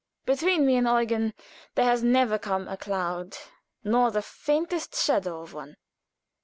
Between me and Eugen there has never come a cloud, nor the faintest shadow of one.